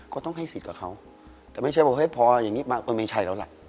ก็ต้องให้สิทธิ์กับเขาแต่ไม่ใช่ว่าเฮ้ยพออย่างนี้มาก็ไม่ใช่แล้วล่ะ